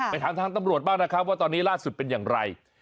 ถามทางตำรวจบ้างนะครับว่าตอนนี้ล่าสุดเป็นอย่างไร